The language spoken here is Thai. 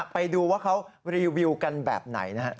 ไปดูว่าเขารีวิวกันแบบไหนนะครับ